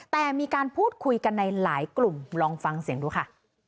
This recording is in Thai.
แต่มีการพูดคุยกันในหลายกลุ่มลองฟังเสียงดูค่ะ